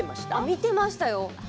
見ていましたよ。